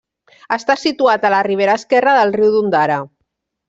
Està situat a la ribera esquerra del riu d'Ondara.